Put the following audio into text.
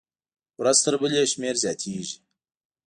ورځ تر بلې یې شمېر زیاتېږي.